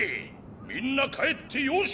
みんな帰って良し！